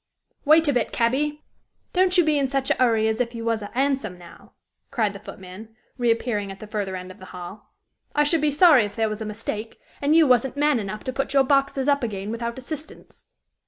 "Wait a bit, cabbie. Don't you be in sech a 'urry as if you was a 'ansom, now," cried the footman, reappearing at the farther end of the hall. "I should be sorry if there was a mistake, and you wasn't man enough to put your boxes up again without assistance."